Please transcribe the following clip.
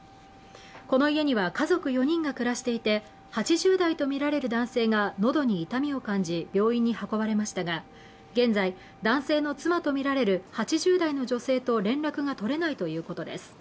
この家には家族４人が暮らしていて８０代とみられる男性が喉に痛みを感じ病院に運ばれましたが、現在、男性の妻とみられる８０代の女性と連絡が取れないということです。